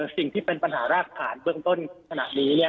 สิ่งที่เป็นปัญหารากฐานเบื้องต้นขณะนี้